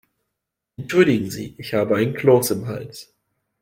Entschuldigen Sie, ich habe einen Kloß im Hals.